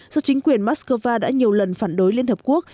do chính quyền moscow đã nhiều lần phản đối liên hợp quốc